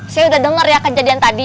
saya udah dengar ya kejadian tadi